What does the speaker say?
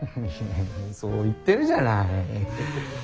そう言ってるじゃない。